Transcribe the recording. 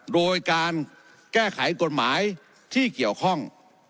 โดยการแก้ไขกฎหมายที่เกี่ยวข้อง